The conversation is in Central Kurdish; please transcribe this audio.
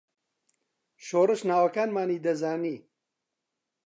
شۆڕش ناوەکانمانی دەزانی.